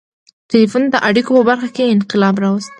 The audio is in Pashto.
• ټیلیفون د اړیکو په برخه کې انقلاب راوست.